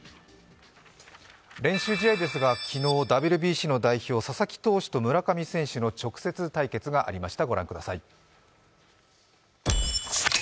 練習試合ですが昨日、ＷＢＣの代表、佐々木投手と村上選手の直接対決がありました。